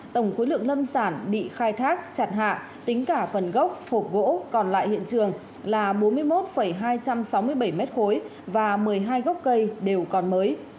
tổng khối lượng lâm sản bị khai thác chặt hạ tính cả phần gốc thuộc gỗ còn lại hiện trường là bốn mươi một hai trăm sáu mươi bảy m ba và một mươi hai gốc cây đều còn mới